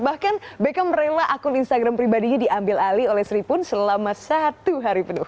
bahkan beckham rela akun instagram pribadinya diambil alih oleh sri pun selama satu hari penuh